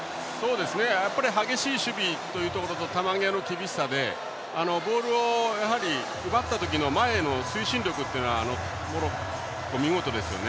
激しい守備というところと球際の厳しさでボールを奪った時の前への推進力というのはモロッコ、見事ですよね。